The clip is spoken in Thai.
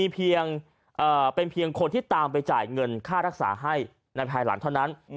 เป็นเพียงคนที่ตามไปจ่ายเงินค่ารักษาให้ในภายหลังเท่านั้น